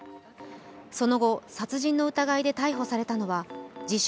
その後、殺人の疑いで逮捕されたのは自称